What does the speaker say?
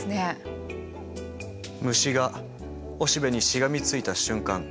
虫がおしべにしがみついた瞬間